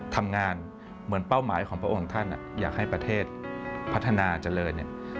ทำงานเหมือนเป้าหมายของพระองค์ท่านอยากให้ประเทศพัฒนาเจริญเนี่ย